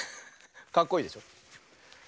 かっこいいでしょ。